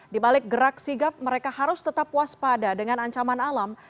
di balik gerak sigap mereka harus tetap waspada dengan ancaman alam